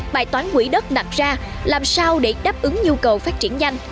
bài toán quỹ đất đặt ra làm sao để đáp ứng nhu cầu phát triển nhanh